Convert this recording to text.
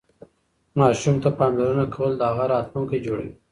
ماسوم ته پاملرنه کول د هغه راتلونکی جوړوي.